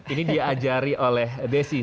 ini diajari oleh desi